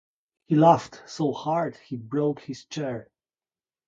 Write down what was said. He laughed so hard he broke his chair.